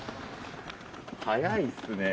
早いっすね。